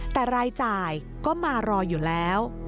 แต่รายจ่ายก็มารออยู่แล้ว